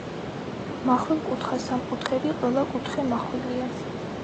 მახვილკუთხა სამკუთხედი-ყველა კუთხე მახვილია.